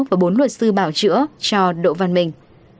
và bốn luật sư bảo chữa cho độ văn minh